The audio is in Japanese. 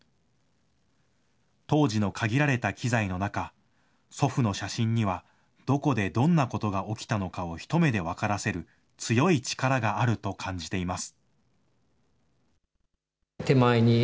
当時の限られた機材の中、祖父の写真にはどこでどんなことが起きたのかを一目で分からせる強い力があると感じています。